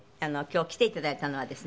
今日来ていただいたのはですね